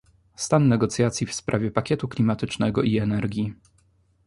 Stan negocjacji w sprawie pakietu klimatycznego i energii